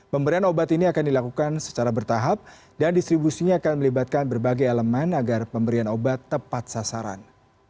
pemberian obat ini akan dilakukan secara bertahap dan distribusinya akan melibatkan berbagai elemen agar pemberian obat tepat sasaran